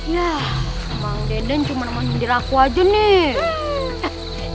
yah mang deden cuma nge nyindir aku aja nih